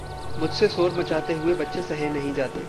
मुझसे शोर मचाते हुए बच्चे सहे नहीं जाते।